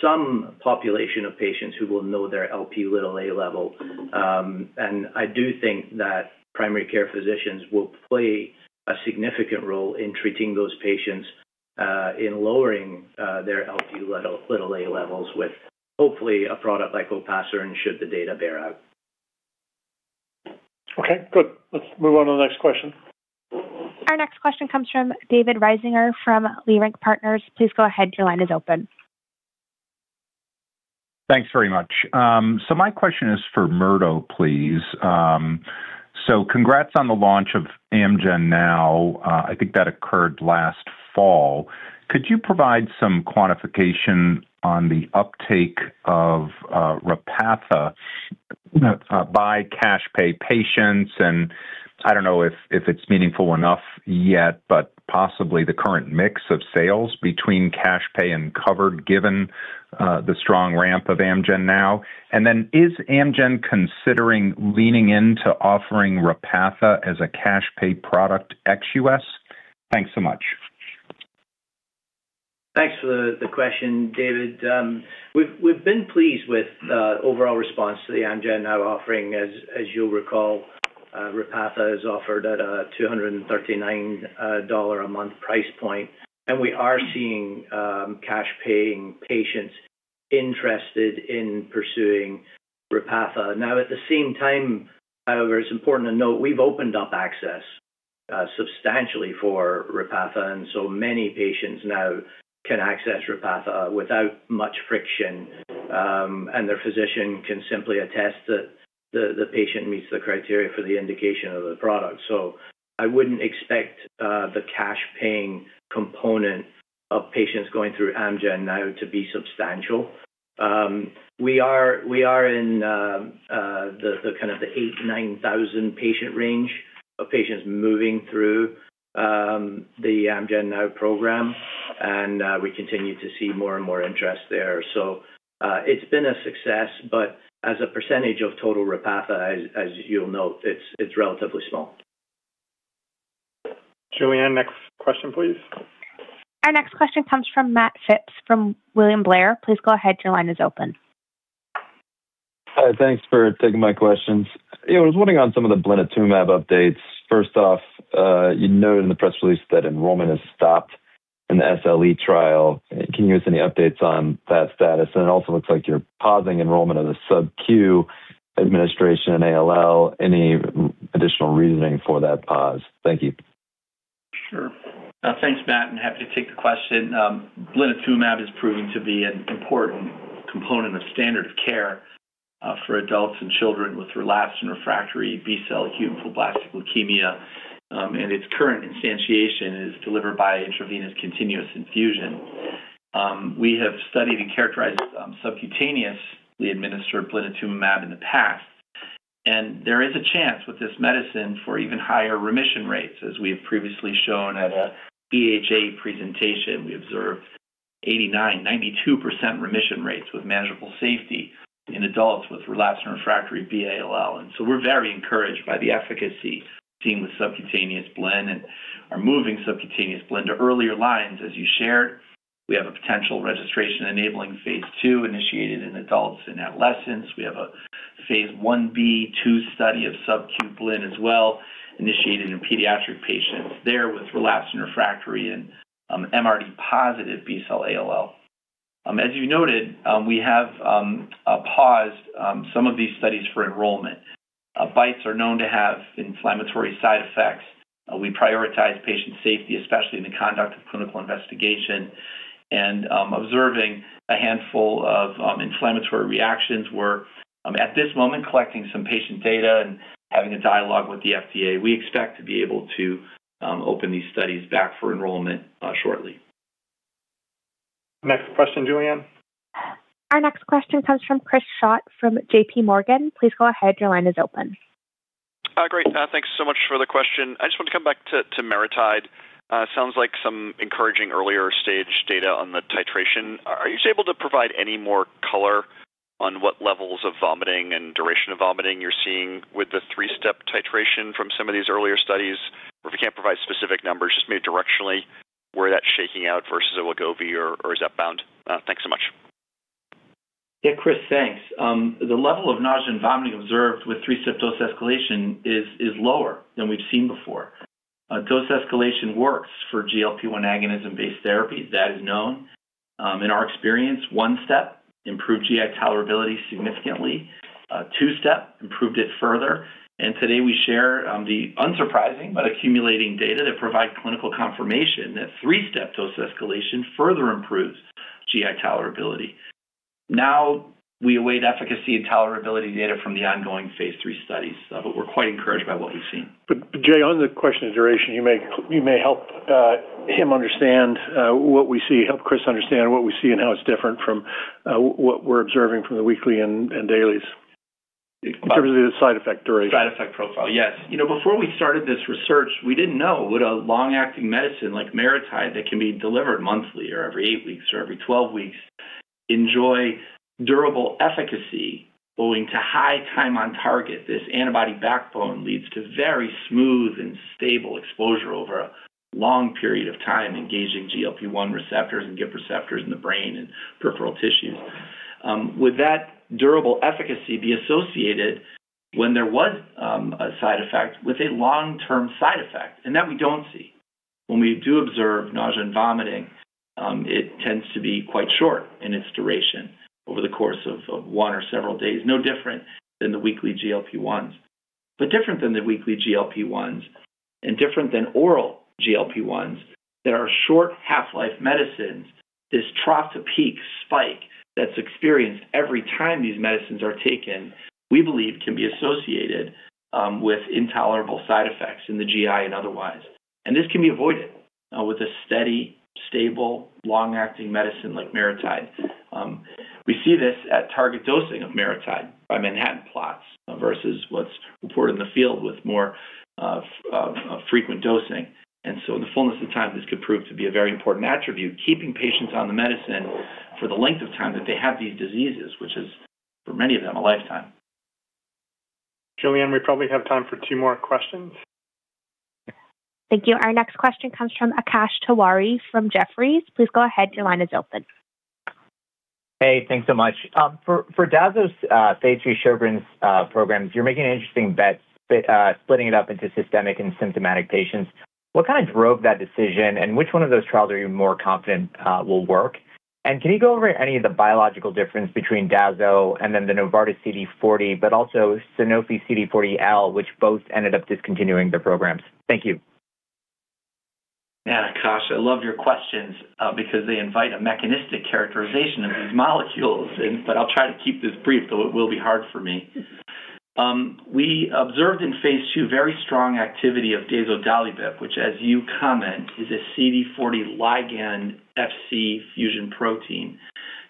Some population of patients who will know their Lp(a) level. I do think that primary care physicians will play a significant role in treating those patients in lowering their Lp(a) levels with hopefully a product like Olpasiran, and should the data bear out. Okay, good. Let's move on to the next question. Our next question comes from David Risinger from Leerink Partners. Please go ahead. Your line is open. Thanks very much. My question is for Murdo, please. Congrats on the launch of AmgenNow. I think that occurred last fall. Could you provide some quantification on the uptake of Repatha by cash pay patients? I don't know if it's meaningful enough yet, but possibly the current mix of sales between cash pay and covered, given the strong ramp of AmgenNow. Is Amgen considering leaning into offering Repatha as a cash pay product ex-U.S.? Thanks so much. Thanks for the question, David Risinger. We've been pleased with overall response to the AmgenNow offering. As you'll recall, Repatha is offered at a $239 a month price point. We are seeing cash-paying patients interested in pursuing Repatha. Now, at the same time, however, it's important to note we've opened up access substantially for Repatha. So many patients now can access Repatha without much friction. Their physician can simply attest that the patient meets the criteria for the indication of the product. I wouldn't expect the cash-paying component of patients going through AmgenNow to be substantial. We are in the kind of the 8,000-9,000 patient range of patients moving through the AmgenNow program. We continue to see more and more interest there. It's been a success, but as a percentage of total Repatha, as you'll note, it's relatively small. Julianne, next question, please. Our next question comes from Matt Phipps from William Blair. Thanks for taking my questions. You know, I was wondering on some of the blinatumomab updates. First off, you noted in the press release that enrollment has stopped in the SLE trial. Can you give us any updates on that status? It also looks like you're pausing enrollment of the sub-Q administration in ALL. Any additional reasoning for that pause? Thank you. Sure. Thanks, Matt, happy to take the question. blinatumomab is proving to be an important component of standard of care for adults and children with relapsed and refractory B-cell acute lymphoblastic leukemia. Its current instantiation is delivered by intravenous continuous infusion. We have studied and characterized subcutaneously administered blinatumomab in the past, there is a chance with this medicine for even higher remission rates. As we have previously shown at a EHA presentation, we observed 89%-92% remission rates with manageable safety in adults with relapsed and refractory B-ALL. We're very encouraged by the efficacy seen with subcutaneous blin and are moving subcutaneous blin to earlier lines. As you shared, we have a potential registration-enabling phase II initiated in adults and adolescents. We have a phase I-B-II study of sub-Q blin as well initiated in pediatric patients there with relapsed and refractory and MRD positive B-cell ALL. As you noted, we have paused some of these studies for enrollment. BiTEs are known to have inflammatory side effects. We prioritize patient safety, especially in the conduct of clinical investigation. Observing a handful of inflammatory reactions, we're at this moment collecting some patient data and having a dialogue with the FDA. We expect to be able to open these studies back for enrollment shortly. Next question, Julianne. Our next question comes from Chris Schott from JPMorgan. Please go ahead. Your line is open. Great. Thanks so much for the question. I just want to come back to MariTide. Sounds like some encouraging earlier stage data on the titration. Are you able to provide any more color on what levels of vomiting and duration of vomiting you're seeing with the three-step titration from some of these earlier studies? Or if you can't provide specific numbers, just maybe directionally where that's shaking out versus Ozempic or Zepbound. Thanks so much. Chris, thanks. The level of nausea and vomiting observed with three step dose escalation is lower than we've seen before. Dose escalation works for GLP-1 agonism-based therapies. That is known. In our experience one step improved GI tolerability significantly. two step improved it further. Today, we share the unsurprising but accumulating data that provide clinical confirmation that three step dose escalation further improves GI tolerability. We await efficacy and tolerability data from the ongoing phase III studies. We're quite encouraged by what we've seen. Jay, on the question of duration, you may help him understand what we see, help Chris understand what we see and how it's different from what we're observing from the weekly and dailies in terms of the side effect duration. Side effect profile. Yes. You know, before we started this research, we didn't know would a long-acting medicine like MariTide, that can be delivered monthly or every eight weeks or every 12 weeks, enjoy durable efficacy owing to high time on target. This antibody backbone leads to very smooth and stable exposure over a long period of time, engaging GLP-1 receptors and GIP receptors in the brain and peripheral tissues. Would that durable efficacy be associated when there was a side effect with a long-term side effect? That we don't see. When we do observe nausea and vomiting, it tends to be quite short in its duration over the course of one or several days, no different than the weekly GLP-1s. Different than the weekly GLP-1s and different than oral GLP-1s that are short half-life medicines, this trough-to-peak spike that's experienced every time these medicines are taken, we believe can be associated with intolerable side effects in the GI and otherwise. This can be avoided with a steady, stable, long-acting medicine like MariTide. We see this at target dosing of MariTide by Manhattan plots versus what's reported in the field with more frequent dosing. In the fullness of time, this could prove to be a very important attribute, keeping patients on the medicine for the length of time that they have these diseases, which is, for many of them, a lifetime. Julianne, we probably have time for two more questions. Thank you. Our next question comes from Akash Tewari from Jefferies. Please go ahead. Your line is open. Hey, thanks so much. For dazodalibep, phase III Sjögren's programs, you're making an interesting bet, splitting it up into systemic and symptomatic patients. What kind of drove that decision, and which one of those trials are you more confident, will work? Can you go over any of the biological difference between dazodalibep and then the Novartis CD40, but also Sanofi CD40L, which both ended up discontinuing their programs? Thank you. Yeah, Akash, I love your questions because they invite a mechanistic characterization of these molecules. I'll try to keep this brief, though it will be hard for me. We observed in phase II very strong activity of dazodalibep, which, as you comment, is a CD40 ligand FC fusion protein,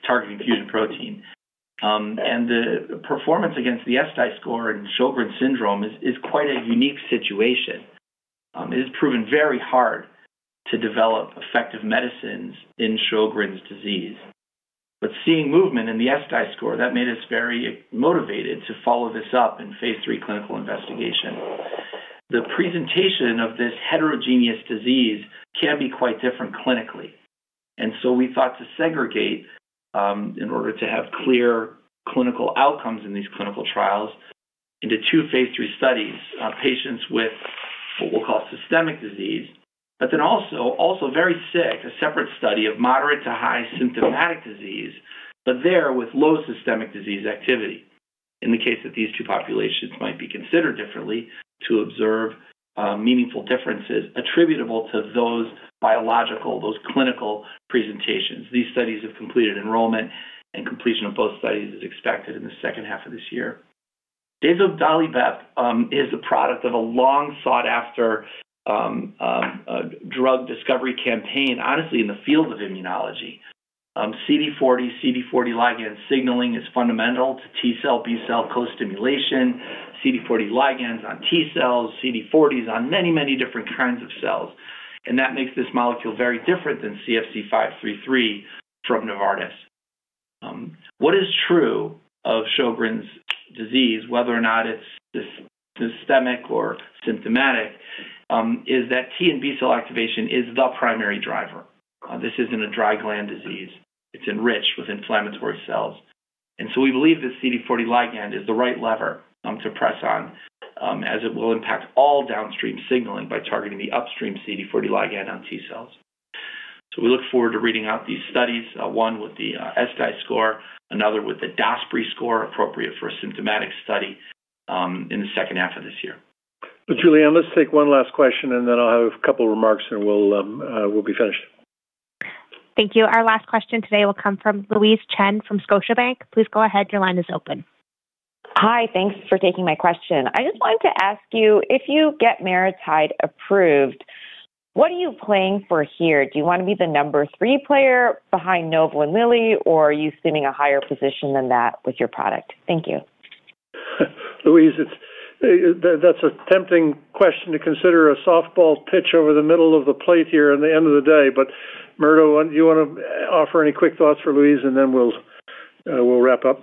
targeting fusion protein. The performance against the ESSDAI score in Sjögren's syndrome is quite a unique situation. It has proven very hard to develop effective medicines in Sjögren's disease. Seeing movement in the ESSDAI score, that made us very motivated to follow this up in phase III clinical investigation. The presentation of this heterogeneous disease can be quite different clinically. We thought to segregate, in order to have clear clinical outcomes in these clinical trials into two phase III studies, patients with what we'll call systemic disease, also very sick, a separate study of moderate to high symptomatic disease, but there with low systemic disease activity. In the case that these two populations might be considered differently to observe meaningful differences attributable to those clinical presentations. These studies have completed enrollment. Completion of both studies is expected in the second half of this year. dazodalibep is a product of a long-sought-after drug discovery campaign, honestly, in the field of immunology. CD40 ligand signaling is fundamental to T-cell, B-cell co-stimulation, CD40 ligands on T-cells, CD40s on many different kinds of cells. That makes this molecule very different than CFZ533 from Novartis. What is true of Sjögren's disease, whether or not it's systemic or symptomatic, is that T and B-cell activation is the primary driver. This isn't a dry gland disease. It's enriched with inflammatory cells. We believe the CD40 ligand is the right lever to press on, as it will impact all downstream signaling by targeting the upstream CD40 ligand on T-cells. We look forward to reading out these studies, one with the ESSDAI score, another with the ESSPRI score appropriate for a symptomatic study, in the second half of this year. Julianne, let's take one last question, and then I'll have a couple remarks, and we'll be finished. Thank you. Our last question today will come from Louise Chen from Scotiabank. Please go ahead. Your line is open. Hi. Thanks for taking my question. I just wanted to ask you, if you get MariTide approved, what are you playing for here? Do you wanna be the number 3 player behind Novo and Lilly, or are you assuming a higher position than that with your product? Thank you. Louise, that's a tempting question to consider a softball pitch over the middle of the plate here in the end of the day. Murdo, you wanna offer any quick thoughts for Louise, and then we'll wrap up?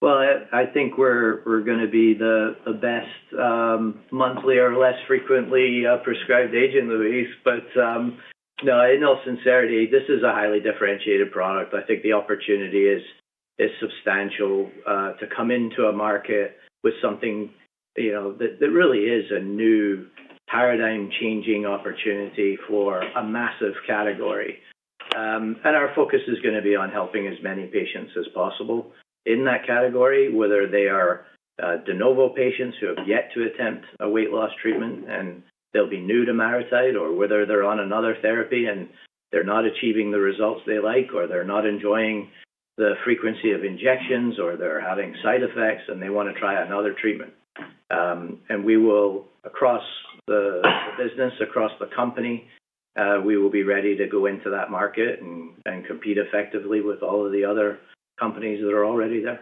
Well, I think we're gonna be the best monthly or less frequently prescribed agent, Louise. No, in all sincerity, this is a highly differentiated product. I think the opportunity is substantial to come into a market with something, you know, that really is a new paradigm-changing opportunity for a massive category. Our focus is gonna be on helping as many patients as possible in that category, whether they are de novo patients who have yet to attempt a weight loss treatment, and they'll be new to MariTide, or whether they're on another therapy and they're not achieving the results they like, or they're not enjoying the frequency of injections, or they're having side effects and they wanna try another treatment. We will, across the business, across the company, we will be ready to go into that market and compete effectively with all of the other companies that are already there.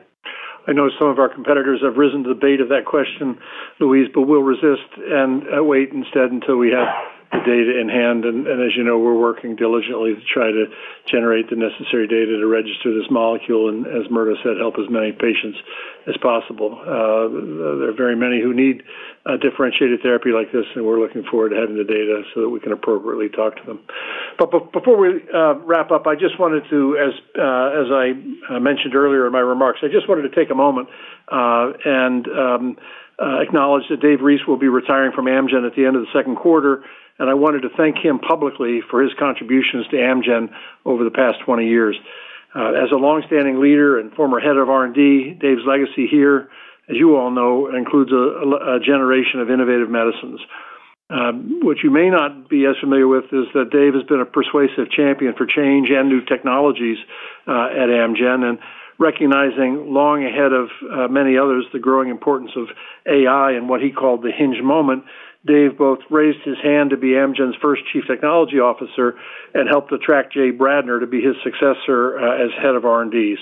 I know some of our competitors have risen to the bait of that question, Louise, we'll resist and wait instead until we have the data in hand. As you know, we're working diligently to try to generate the necessary data to register this molecule and, as Murdo said, help as many patients as possible. There are very many who need a differentiated therapy like this, we're looking forward to having the data so that we can appropriately talk to them. Before we wrap up, I just wanted to, as I mentioned earlier in my remarks, I just wanted to take a moment and acknowledge that David Reese will be retiring from Amgen at the end of the second quarter, I wanted to thank him publicly for his contributions to Amgen over the past 20 years. As a long-standing leader and former head of R&D, Dave's legacy here, as you all know, includes a generation of innovative medicines. What you may not be as familiar with is that Dave has been a persuasive champion for change and new technologies at Amgen, and recognizing long ahead of many others the growing importance of AI and what he called the hinge moment, Dave both raised his hand to be Amgen's first Chief Technology Officer and helped attract James Bradner to be his successor as head of R&D.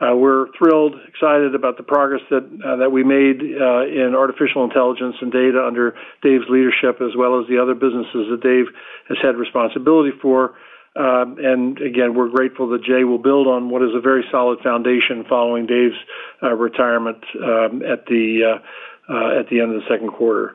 We're thrilled, excited about the progress that we made in artificial intelligence and data under Dave's leadership as well as the other businesses that Dave has had responsibility for. Again, we're grateful that Jay will build on what is a very solid foundation following Dave's retirement at the end of the second quarter.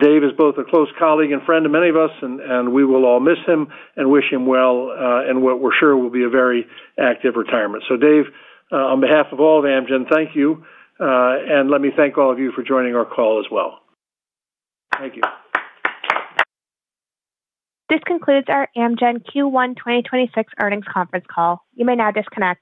Dave is both a close colleague and friend to many of us, and we will all miss him and wish him well in what we're sure will be a very active retirement. Dave, on behalf of all of Amgen, thank you. Let me thank all of you for joining our call as well. Thank you. This concludes our Amgen Q1 2026 Earnings Conference Call. You may now disconnect.